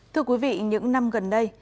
thưa quý vị những năm gần đây